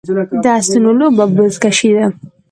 د اسونو لوبه بزکشي ده